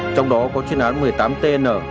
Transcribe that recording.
trong đó có chuyên án một mươi tám tn